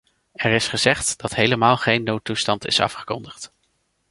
Er is gezegd dat helemaal geen noodtoestand is afgekondigd.